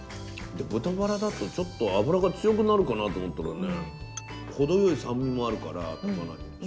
で豚バラだとちょっと脂が強くなるかなと思ったらね程よい酸味もあるから高菜に。